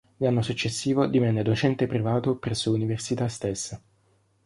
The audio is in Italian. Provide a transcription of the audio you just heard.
L'anno successivo divenne docente privato presso l'università stessa.